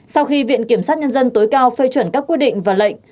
sau khi viện kiểm sát nhân dân tối cao phê chuẩn các quyết định và lệnh